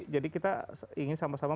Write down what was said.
jadi kita ingin sama sama